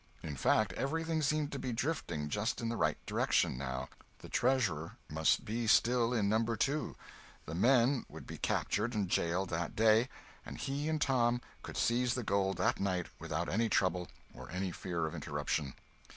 In fact, everything seemed to be drifting just in the right direction, now; the treasure must be still in No. 2, the men would be captured and jailed that day, and he and Tom could seize the gold that night without any trouble or any fear of interruption.